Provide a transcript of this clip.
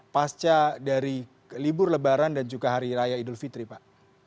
pasca dari libur lebaran dan juga hari raya idul fitri pak